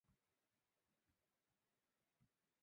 佐藤麻美服务。